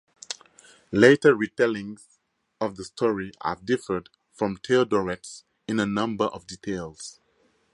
Later retellings of the story have differed from Theodoret's in a number of details.